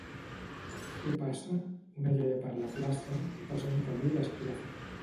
—Què passa? —Una iaia per la plaça, passa un camió i l'esclafa.